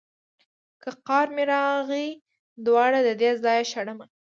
که قار مې راغی دواړه ددې ځايه شړمه.